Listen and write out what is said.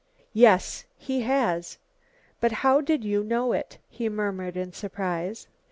"Yes, he has, but how did you know it?" he murmured in surprise.